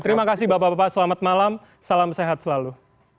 terima kasih bapak bapak selamat malam salam sehat selalu